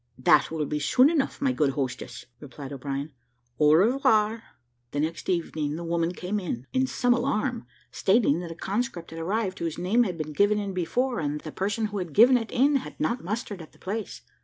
"That will be soon enough, my good hostess," replied O'Brien: "au revoir." The next evening, the woman came in, in some alarm, stating that a conscript had arrived whose name had been given in before, and that the person who had given it in had not mustered at the place.